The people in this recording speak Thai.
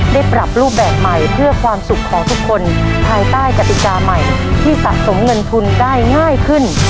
ปรับรูปแบบใหม่เพื่อความสุขของทุกคนภายใต้กติกาใหม่ที่สะสมเงินทุนได้ง่ายขึ้น